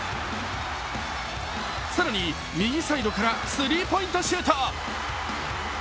更に右サイドからスリーポイントシュート。